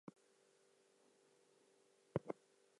This definition readily extends to Laurent series.